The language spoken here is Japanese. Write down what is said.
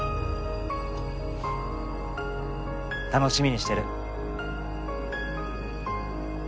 楽しみにしてる。